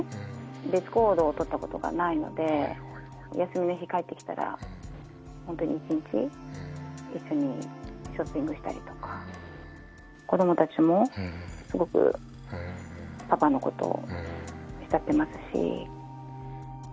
別行動を取ったことがないので、休みの日、帰ってきたら、本当に一日、一緒にショッピングしたりとか、子どもたちもすごくパパのことを慕ってますし。